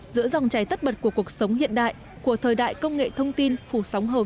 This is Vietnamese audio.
giữa dòng cháy tất bật của cuộc sống hiện đại của thời đại công nghệ thông tin phủ sóng hợp